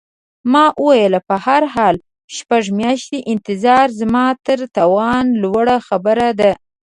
ما وویل: په هر حال، شپږ میاشتې انتظار زما تر توان لوړه خبره ده.